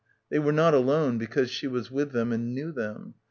They were not alone because she was with them and knew them.